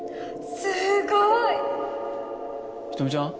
すごい人見ちゃん？